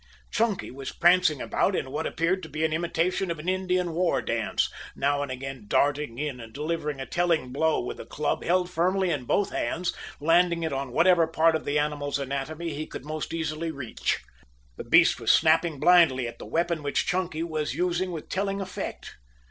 Chunky was prancing about in what appeared to be an imitation of an Indian war dance, now and again darting in and delivering a telling blow with the club held firmly in both hands, landing it on whatever part of the animal's anatomy he could most easily reach. The beast was snapping blindly at the weapon which Chunky was using with telling effect.